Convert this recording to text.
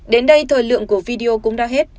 đến đây thời lượng của video cũng đã hết